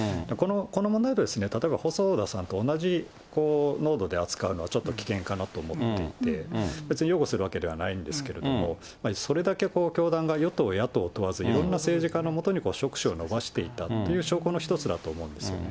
この問題、例えば細田さんと同じ濃度で扱うのはちょっと危険かなと思っていて、別に擁護するわけではないんですけれども、それだけ教団が与党、野党問わず、いろんな政治家のもとに触手を伸ばしていたという証拠の一つだと思うんですよね。